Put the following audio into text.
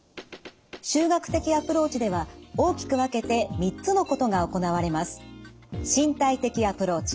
集学的アプローチでは大きく分けて３つのことが行われます。